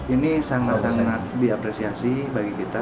ini sangat sangat diapresiasi bagi kita